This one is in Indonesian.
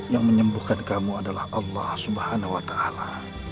yang menyembuhkan kamu adalah allah subhanahu wa ta'ala